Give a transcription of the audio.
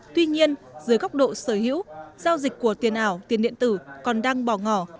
tuy nhiên dưới góc độ sở hữu giao dịch của tiền ảo tiền điện tử còn đang bỏ ngỏ